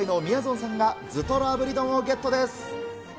んさんが頭とろ炙り丼をゲットです。